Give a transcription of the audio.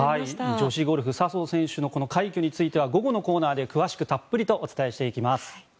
女子ゴルフ笹生選手の快挙については午後のコーナーで詳しくたっぷりとお伝えしていきます。